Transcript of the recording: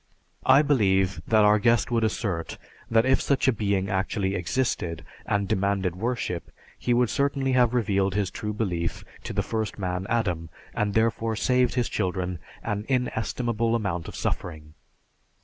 I believe that our guest would assert that if such a Being actually existed and demanded worship, he would certainly have revealed his true belief to the first man Adam, and therefore saved his children an inestimable amount of suffering.